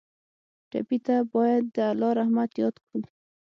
ټپي ته باید د الله رحمت یاد کړو.